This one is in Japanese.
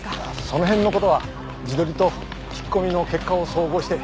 その辺の事は地取りと聞き込みの結果を総合して。